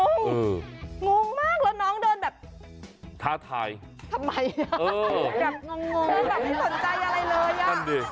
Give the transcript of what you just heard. งงมากแล้วน้องเดินแบบทำไมแบบไม่สนใจอะไรเลย